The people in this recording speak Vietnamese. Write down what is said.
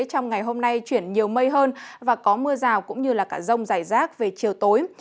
trong ngày hôm nay chuyển nhiều mây hơn và có mưa rào cũng như cả rông giải rác về chiều tối